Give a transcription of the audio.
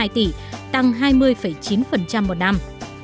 tỷ lệ tăng một năm